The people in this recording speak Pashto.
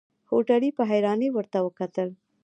هوټلي په حيرانۍ ورته وکتل.